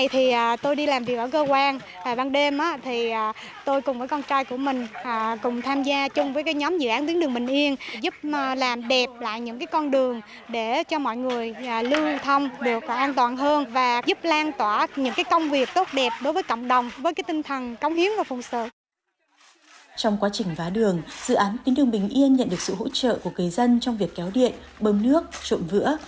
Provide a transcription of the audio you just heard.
trong quá trình vá đường dự án tuyến đường bình yên nhận được sự hỗ trợ của kế dân trong việc kéo điện bơm nước trộm vữa